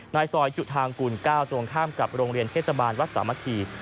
นายซอยอยู่ทางกูลเกล้าตรงข้ามกับโรงเรียนเทศบาลวัดสามารถี